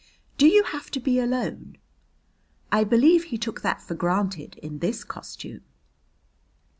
"Do you have to be alone?" "I believe he took that for granted, in this costume."